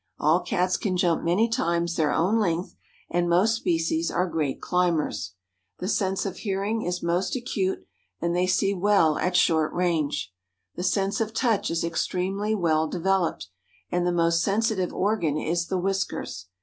All Cats can jump many times their own length, and most species are great climbers. The sense of hearing is most acute, and they see well at short range. The sense of touch is extremely well developed, and the most sensitive organ is the whiskers.